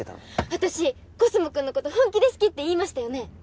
私コスモくんのこと本気で好きって言いましたよね？